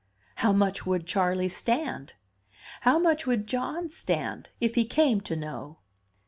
How much would Charley stand? How much would John stand, if he came to know?